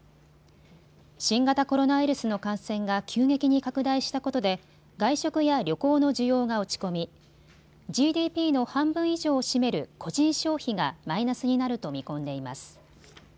新型コロナウイルスの感染が急激に拡大したことで外食や旅行の需要が落ち込み、ＧＤＰの半分以上を占める個人消費がマイナスになると見込んでいます。